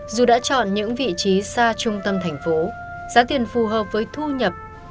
dù đã chọn những vị trí xa trung tâm thành phố giá tiền phù hợp với thu nhập